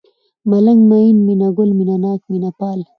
ملنگ ، مين ، مينه گل ، مينه ناک ، مينه پال